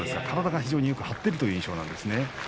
体がよく張っているという印象なんですね。